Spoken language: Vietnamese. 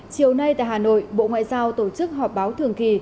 chiều nay tại hà nội bộ ngoại giao tổ chức họp báo thường kỳ